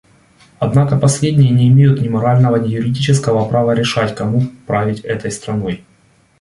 Однако последние не имеют ни морального, ни юридического права решать, кому править этой страной.